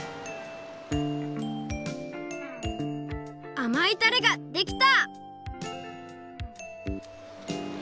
あまいたれができた！